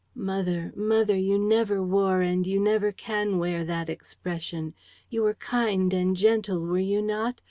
_ "Mother, mother, you never wore and you never can wear that expression. You were kind and gentle, were you not?